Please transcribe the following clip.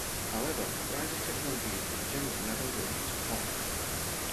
However, riser technologies in general never really took off.